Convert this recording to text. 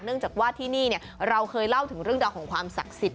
จากว่าที่นี่เราเคยเล่าถึงเรื่องราวของความศักดิ์สิทธิ